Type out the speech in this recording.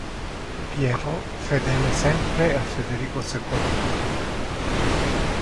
Piero fedele sempre a Federico II.